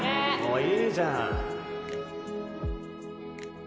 もういいじゃん